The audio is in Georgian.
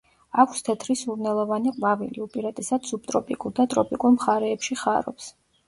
აქვს თეთრი სურნელოვანი ყვავილი; უპირატესად სუბტროპიკულ და ტროპიკულ მხარეებში ხარობს.